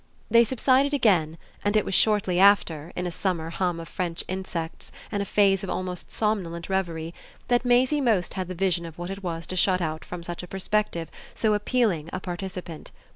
They subsided again, and it was shortly after, in a summer hum of French insects and a phase of almost somnolent reverie, that Maisie most had the vision of what it was to shut out from such a perspective so appealing a participant.